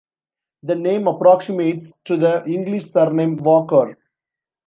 The name approximates to the English surname "Walker".